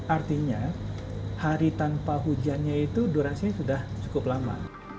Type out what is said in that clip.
artinya hari tanpa hujannya itu durasinya sudah cukup lama